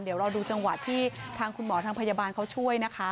เดี๋ยวรอดูจังหวะที่ทางคุณหมอทางพยาบาลเขาช่วยนะคะ